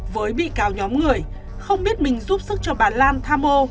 với bị cáo nhóm người không biết mình giúp sức cho bà lan tha mô